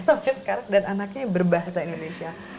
sampai sekarang dan anaknya berbahasa indonesia